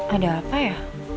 ada apa ya